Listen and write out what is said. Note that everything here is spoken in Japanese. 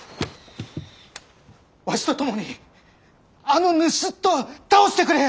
わしと共にあの盗人を倒してくれ！